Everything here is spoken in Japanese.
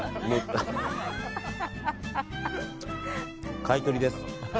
買い取りです。